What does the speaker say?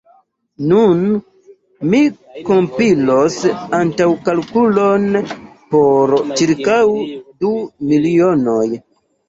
Nun mi kompilos antaŭkalkulon por ĉirkaŭ du milionoj.